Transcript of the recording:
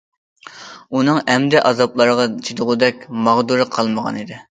ئۇنىڭ ئەمدى ئازابلارغا چىدىغۇدەك ماغدۇرى قالمىغانىدى.